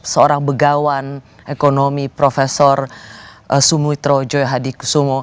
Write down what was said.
seorang begawan ekonomi prof sumitro joya hadikusumo